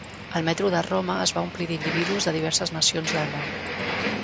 El Metro de Roma es va omplir d'individus de diverses nacions del món.